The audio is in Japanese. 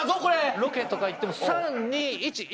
ロケとか行っても「３・２・１」。